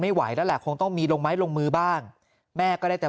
ไม่ไหวแล้วแหละคงต้องมีลงไม้ลงมือบ้างแม่ก็ได้แต่